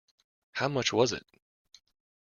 How much was it.